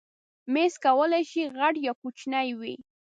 مېز کولی شي غټ یا کوچنی وي.